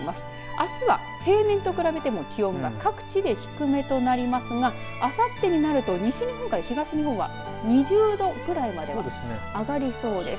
あすは平年と比べても気温が各地で低めとなりますがあさってになると西日本から東日本は２０度ぐらいまでは上がりそうです。